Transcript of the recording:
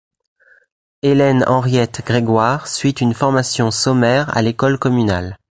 Hélène Henriette Grégoire suit une formation sommaire à l'école communale.